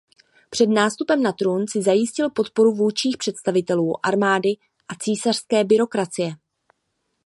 Před nástupem na trůn si zajistil podporu vůdčích představitelů armády a císařské byrokracie.